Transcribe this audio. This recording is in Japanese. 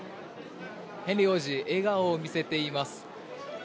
ヘンリー王子笑顔を見せています。